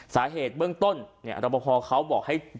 สาเหตุเบื้องต้นเราก็พอเขาบอกให้